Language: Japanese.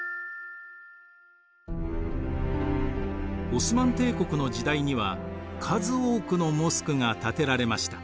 オスマン帝国の時代には数多くのモスクが建てられました。